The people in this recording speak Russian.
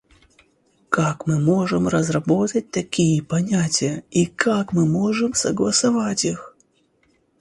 Как мы можем разработать такие понятия, и как мы можем согласовать их?